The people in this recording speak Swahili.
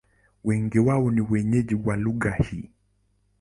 Wengi wao ni wenyeji wa lugha hii.